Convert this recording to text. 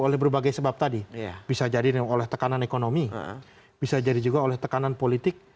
oleh berbagai sebab tadi bisa jadi oleh tekanan ekonomi bisa jadi juga oleh tekanan politik